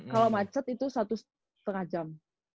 kalau macet itu satu setengah jam